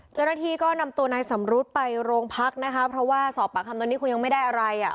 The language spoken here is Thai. เจ้าหน้าที่ก็นำตัวนายสำรุษไปโรงพักนะคะเพราะว่าสอบปากคำตอนนี้คือยังไม่ได้อะไรอ่ะ